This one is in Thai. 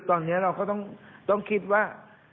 ตอนนี้เราก็ต้องคิดว่า